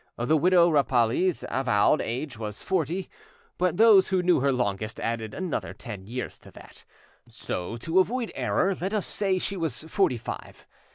The widow Rapally's avowed age was forty, but those who knew her longest added another ten years to that: so, to avoid error, let us say she was forty five.